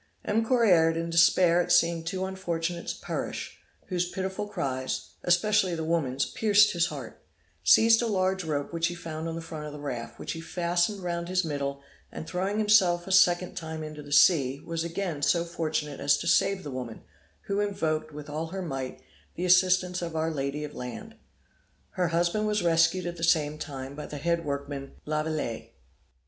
M. Correard in despair at seeing two unfortunates perish, whose pitiful cries, especially the woman's pierced his heart, seized a large rope which he found on the front of the raft, which he fastened round his middle, and throwing himself a second time into the sea, was again so fortunate as to save the woman, who invoked, with all her might, the assistance of our Lady of Land. Her husband was rescued at the same time by the head workman, Lavilette.